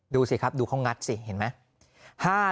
ดูสิครับดูเขางัดสิเห็นไหม